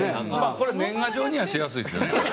これ年賀状にはしやすいですよね。